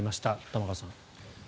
玉川さん。